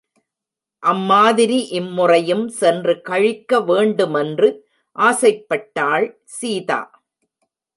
அம்மாதிரி இம்முறையும் சென்று கழிக்க வேண்டுமென்று ஆசைப்பட்டாள் சீதா.